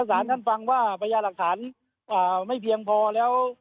สารท่านฟังว่าพญาหลักฐานไม่เพียงพอแล้ว